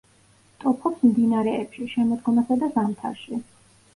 ტოფობს მდინარეებში, შემოდგომასა და ზამთარში.